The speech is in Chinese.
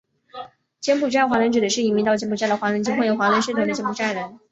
柬埔寨华人指的是移民到柬埔寨的华人及混有华人血统的柬埔寨人。